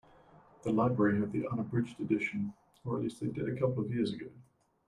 The library have the unabridged edition, or at least they did a couple of years ago.